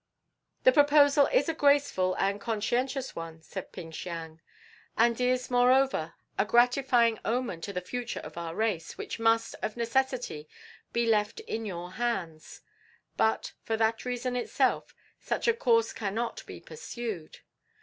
"The proposal is a graceful and conscientious one," said Ping Siang, "and is, moreover, a gratifying omen of the future of our race, which must of necessity be left in your hands. But, for that reason itself, such a course cannot be pursued.